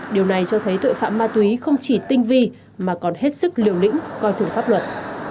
điều này cho thấy tội phạm ma túy không chỉ tinh vi mà còn hết sức liều lĩnh coi thường pháp luật